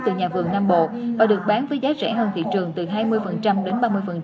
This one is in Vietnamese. từ nhà vườn nam bộ và được bán với giá rẻ hơn thị trường từ hai mươi đến ba mươi